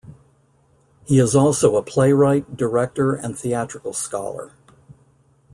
He is also a playwright, director, and theatrical scholar.